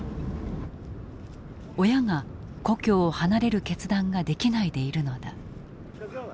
親が故郷を離れる決断ができないでいるのだ。